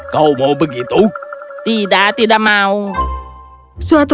kau juga tuan